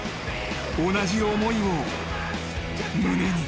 ［同じ思いを胸に］